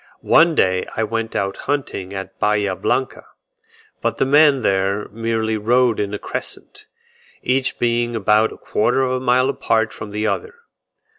One day I went out hunting at Bahia Blanca, but the men there merely rode in a crescent, each being about a quarter of a mile apart from the other.